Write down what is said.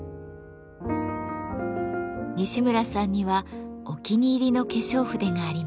西村さんにはお気に入りの化粧筆があります。